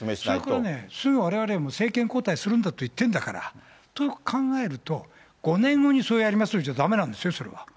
それからね、すぐわれわれは政権交代するんだと言ってるんだから、と考えると、５年後にそうやりますよじゃだめなんですよ、それは。